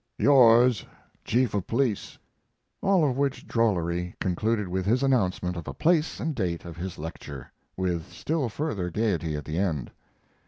Yours, CHIEF OF POLICE. All of which drollery concluded with his announcement of place and date of his lecture, with still further gaiety at the end.